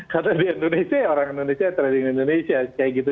karena di indonesia orang indonesia trading indonesia kayak gitu